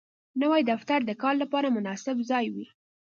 نوی دفتر د کار لپاره مناسب ځای وي